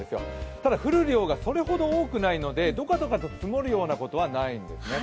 ただ降る量がそれほど多くないのでどかどかと積もるようなことはないんですね。